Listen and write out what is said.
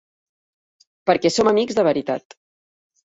Perquè som amics de veritat.